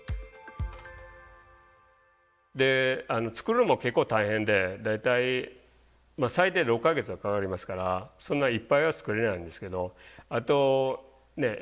で作るのも結構大変で大体最低６か月はかかりますからそんなにいっぱいは作れないんですけどあと映画の仕事も来るので。